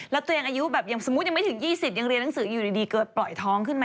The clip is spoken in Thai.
แล้วตัวเองอายุแบบอย่างสมมุติยังไม่ถึง๒๐ยังเรียนหนังสืออยู่ดีเกิดปล่อยท้องขึ้นมา